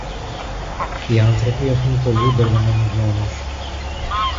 Οι άνθρωποι έχουν πολύ μπερδεμένους νόμους.